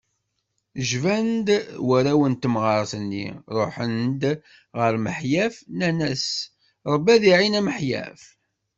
Jban-d warraw n temɣart-nni, ruḥen-d ɣer Miḥyaf, nnan-as: Rebbi ad iɛin a Miḥyaf.